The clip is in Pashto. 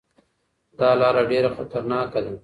دا لاره ډېره خطرناکه ده.